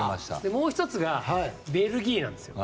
もう１つがベルギーなんですよ。